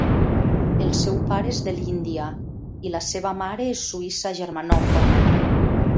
El seu pare és de l'Índia i la seva mare és suïssa germanòfona.